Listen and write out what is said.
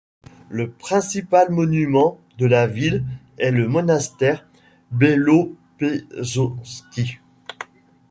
Le principal monument de la ville est le monastère Belopessotski.